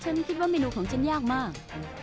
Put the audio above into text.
คิดว่าเมนูของฉันยากมาก